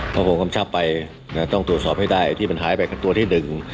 พอผมกำชับไปต้องตรวจสอบให้ได้ที่มันหายไปตัวที่หนึ่ง